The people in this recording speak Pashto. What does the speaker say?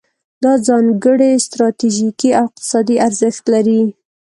دا ځانګړی ستراتیژیکي او اقتصادي ارزښت لري.